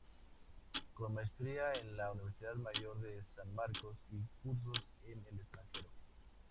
Con maestría en la Universidad Mayor de San Marcos y cursos en el extranjero.